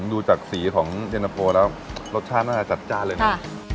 ดูจากสีของเย็นตะโฟแล้วรสชาติน่าจะจัดจ้านเลยนะ